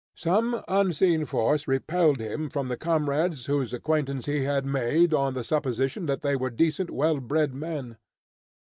Some unseen force repelled him from the comrades whose acquaintance he had made, on the supposition that they were decent, well bred men.